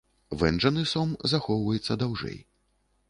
Вэнджаны сом захоўваецца даўжэй.